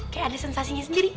kayak ada sensasinya sendiri